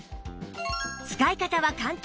使い方は簡単